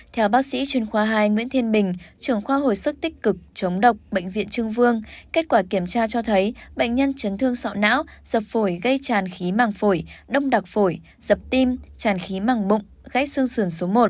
theo bác sĩ chuyên khoa hai nguyễn thiên bình trưởng khoa hồi sức tích cực chống độc bệnh viện trưng vương kết quả kiểm tra cho thấy bệnh nhân chấn thương sọ não dập phổi gây tràn khí màng phổi đông đặc phổi dập tim tràn khí màng bụng ghép xương sườn số một